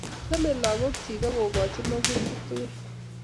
Chamei lagok chik akogoochin magutik tukul.